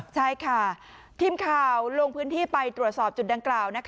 ใช่ค่ะทีมข่าวลงพื้นที่ไปตรวจสอบจุดดังกล่าว